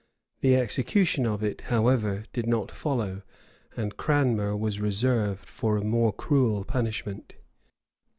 The execution of it, however, did not follow; and Cranmer was reserved for a more cruel punishment.